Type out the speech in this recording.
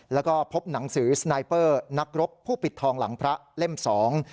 แล้วก็พบหนังสือสไนเปอร์นักรบผู้ปิดทองหลังพระเล่มสอง